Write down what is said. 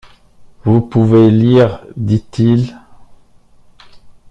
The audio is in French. Vous pouvez lire, dit-il.